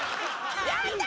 やった！